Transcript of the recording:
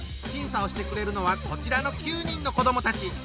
審査をしてくれるのはこちらの９人の子どもたち。